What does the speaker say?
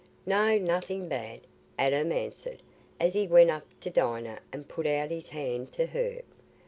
"No, nothing bad," Adam answered, as he went up to Dinah and put out his hand to her.